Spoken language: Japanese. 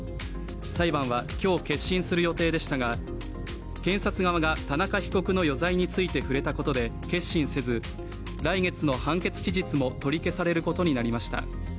裁判は今日、結審する予定でしたが検察側が田中被告の余罪について触れたことで結審せず、来月の判決期日も取り消されることになりました。